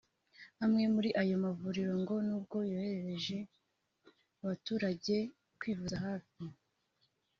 Amwe muri ayo mavuriro ngo n’ubwo yorohereje abaturage kwivuza hafi